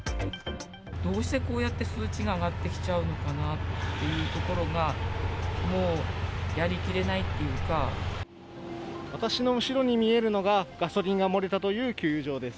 どうしてこうやって数値が上がってきちゃうのかなっていうところが、もう、私の後ろに見えるのが、ガソリンが漏れたという給油場です。